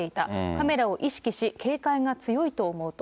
カメラを意識し、警戒が強いと思うと。